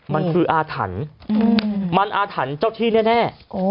มันคืออาถรรพ์มันอาถรรพ์เจ้าที่แน่